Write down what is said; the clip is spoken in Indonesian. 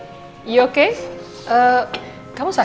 tidak ada apa apa